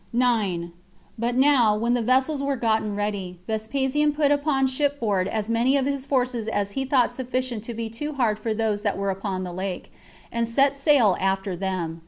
9. But now, when the vessels were gotten ready, Vespasian put upon ship board as many of his forces as he thought sufficient to be too hard for those that were upon the lake, and set sail after them.